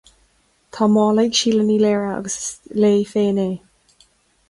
Tá mála ag Síle Ní Laoire, agus is léi féin é